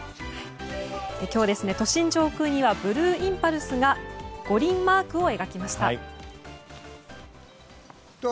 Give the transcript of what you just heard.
今日、都心上空にはブルーインパルスが五輪マークを描きました。